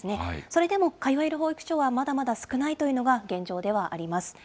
それでも通える保育所はまだまだ少ないというのが現状ではあります。